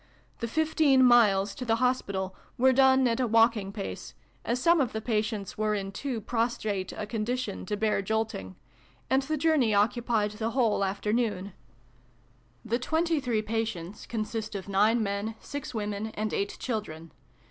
The fifteen miles, to the Hospital, were done at a walking pace, as some of the patients were in too prostrate a condition to bear jolting, and the journey occupied the whole afternoon. 284 SYLVIE AND BRUNO CONCLUDED. The twenty three patients consist of nine men, six women, and eight children.